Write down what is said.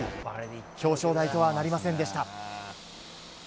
表彰台とはなりませんでした。